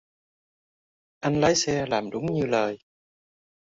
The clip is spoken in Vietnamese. Anh lái xe làm đúng như lời